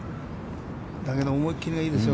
だけど、思いきりがいいですよ。